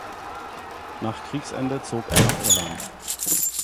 Nach Kriegsende zog er nach Irland.